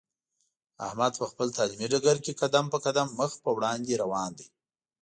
احمد په خپل تعلیمي ډګر کې قدم په قدم مخ په وړاندې روان دی.